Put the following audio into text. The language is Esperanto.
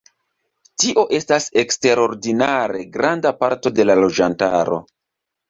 Tio estas eksterordinare granda parto de la loĝantaro.